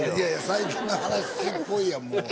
最近の話っぽいやん。